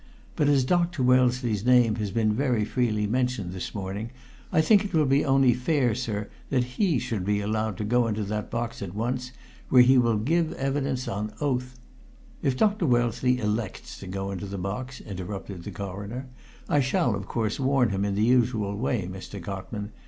But as Dr. Wellesley's name has been very freely mentioned this morning I think it will be only fair, sir, that he should be allowed to go into that box at once, where he will give evidence on oath " "If Dr. Wellesley elects to go into the box," interrupted the Coroner, "I shall, of course, warn him in the usual way, Mr. Cotman.